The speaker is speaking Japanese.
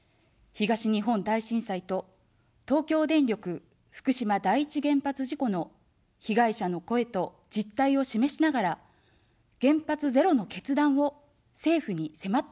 東日本大震災と、東京電力福島第一原発事故の被害者の声と実態を示しながら、原発ゼロの決断を政府にせまってきました。